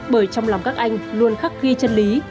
bởi trong lòng các anh luôn khắc ghi chân lý